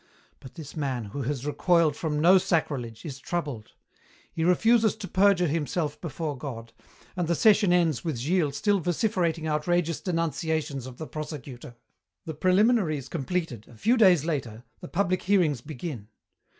But this man, who has recoiled from no sacrilege, is troubled. He refuses to perjure himself before God, and the session ends with Gilles still vociferating outrageous denunciations of the Prosecutor. "The preliminaries completed, a few days later, the public hearings begin.